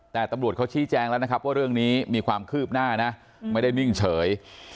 แต่ตำรวจเขาชี้แจงแล้วนะครับว่าเรื่องนี้มีความคืบหน้านะไม่ได้นิ่งเฉย